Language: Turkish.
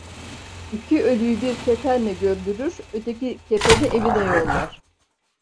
İki ölüyü bir kefenle gömdürür, öteki kefeni evine yollar.